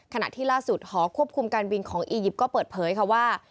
ขณะที่ล่าสุดหอควบคุมการบินของอียิปต์ก็เปิดเผยค่ะว่า